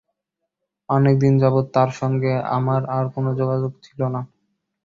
অনেক দিন যাবৎ তাঁর সঙ্গে আমার আর কোনো যোগাযোগ ছিল না।